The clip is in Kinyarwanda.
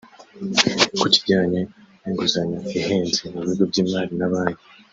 Ku kijyanye n’inguzanyo ihenze mu bigo by’imari na banki